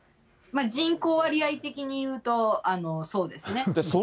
人口割合的にいうとそうですね。